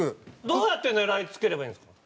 どうやって狙いつければいいんですか？